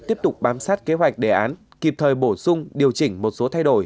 tiếp tục bám sát kế hoạch đề án kịp thời bổ sung điều chỉnh một số thay đổi